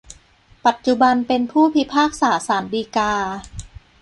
ปัจจุบันเป็นผู้พิพากษาศาลฎีกา